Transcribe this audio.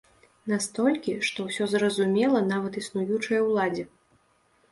Настолькі, што ўсё зразумела нават існуючай уладзе.